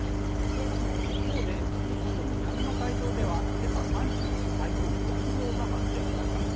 一方で日本の南の海上では今朝３時に台風６号が発生しました。